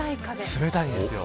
冷たいんですよ。